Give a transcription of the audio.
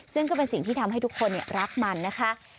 ซึ่งก็เป็นสิ่งที่ทำให้ทุกคนรักมันนะคะ